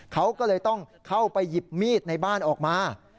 เขาก็เลยต้องเข้าไปหยิบมีดในบ้านออกมา